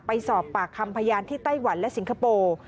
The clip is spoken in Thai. ไปสอบปากคำพยานที่ไต้หวันและสิงคโปร์